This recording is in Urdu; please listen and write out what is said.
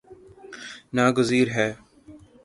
نا گزیر ہے